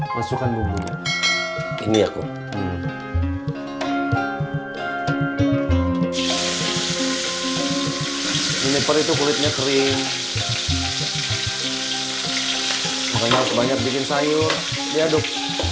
masukkan bumbu ini aku ini perihal kulitnya kering banyak banyak bikin sayur diaduk